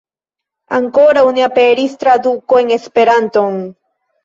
Ankoraŭ ne aperis traduko en Esperanton.